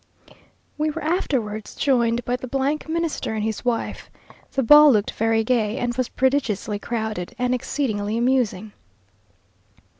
We were afterwards joined by the Minister and his wife. The ball looked very gay, and was prodigiously crowded, and exceedingly amusing.